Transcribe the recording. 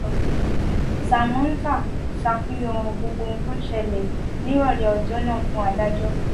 Sánmọ̀tá ṣàfihàn gbogbo ohun tó ṣẹlẹ̀ nírọ̀lẹ́ ọjọ́ náà fún adájọ́.